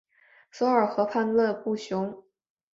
索尔河畔勒布雄。